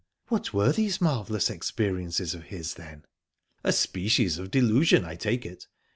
"What were these marvellous experiences of his, then?" "A species of delusion, I take it.